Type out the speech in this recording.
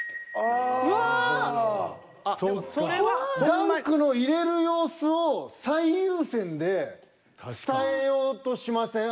ダンクの入れる様子を最優先で伝えようとしません？